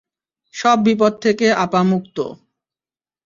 সব বিপদ থেকে আপা মুক্ত।